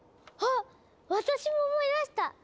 あっ私も思い出した！